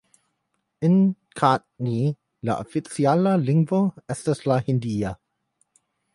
En Katni la oficiala lingvo estas la hindia.